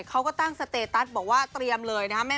เขาก็ตั้งสเตตัสบอกว่าเตรียมเลยนะครับ